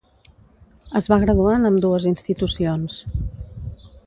Es va graduar en ambdues institucions.